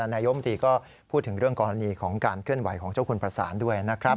นายมตรีก็พูดถึงเรื่องกรณีของการเคลื่อนไหวของเจ้าคุณประสานด้วยนะครับ